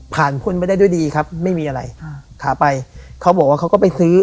พ่นไปได้ด้วยดีครับไม่มีอะไรอ่าขาไปเขาบอกว่าเขาก็ไปซื้อ